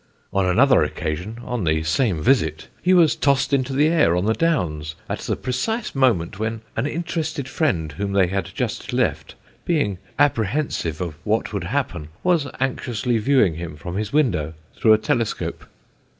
On another occasion, on the same visit ... he was tost into the air on the Downs, at the precise moment when an interested friend whom they had just left, being apprehensive of what would happen, was anxiously viewing him from his window, through a telescope."